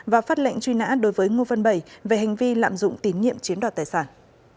và phát lệnh truy nã đối với ngô văn bảy về hành vi lạm dụng tín nhiệm chiếm đoạt tài sản